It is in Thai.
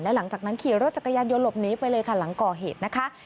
หลังจากนั้นขี่รถจักรยานยนต์หลบหนีไปเลยค่ะหลังก่อเหตุนะคะ